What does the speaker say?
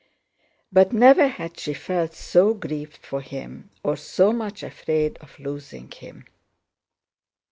But never had she felt so grieved for him or so much afraid of losing him.